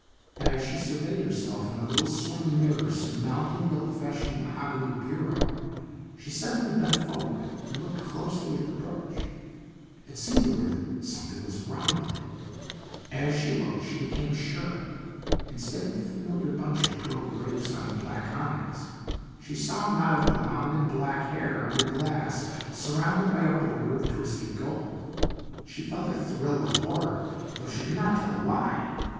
As she surveyed herself in the little swing mirror surmounting the old fashioned mahogany bureau she suddenly bent forward and looked closely at the brooch. It seemed to her that something was wrong with it. As she looked she became sure. Instead of the familiar bunch of pearl grapes on the black onyx, she saw a knot of blonde and black hair under glass surrounded by a border of twisted gold. She felt a thrill of horror, though she could not tell why.